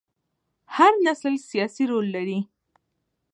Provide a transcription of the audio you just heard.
هر نسل سیاسي رول لري